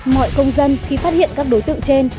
mọi công dân khi phát hiện các đối tượng trên